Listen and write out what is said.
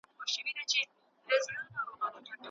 هغه څوک چي زغم لري، ستونزي زغمي.